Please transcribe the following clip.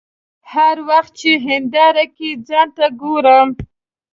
هر وخت چې هنداره کې ځان ته ګورم.